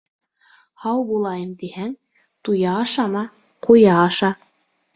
Һау булайым тиһәң, туя ашама, ҡуя аша.